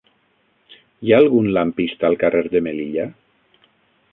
Hi ha algun lampista al carrer de Melilla?